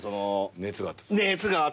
熱があった？